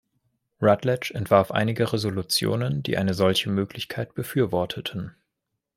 Rutledge entwarf einige Resolutionen, die eine solche Möglichkeit befürworteten.